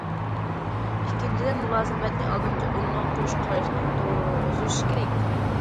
ئىككىنچىدىن، مۇلازىمەتنى ئالدىنقى ئورۇنغا قويۇش قارىشىنى تۇرغۇزۇش كېرەك.